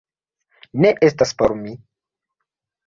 Ne estas por mi